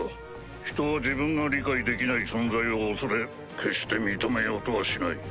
人は自分が理解できない存在を恐れ決して認めようとはしない。